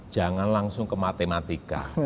jangan langsung ke matematika